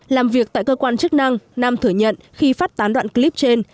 làm việc tại cơ quan chức năng nam thừa nhận khi phát tán đoạn clip trên